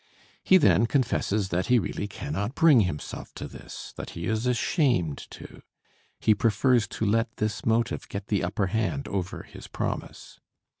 He then confesses that he really cannot bring himself to this, that he is ashamed to; he prefers to let this motive get the upper hand over his promise.